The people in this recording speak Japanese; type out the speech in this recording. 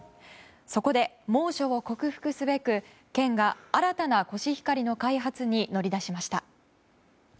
そこで猛暑を克服すべく県が新たなコシヒカリの開発に乗り出しました。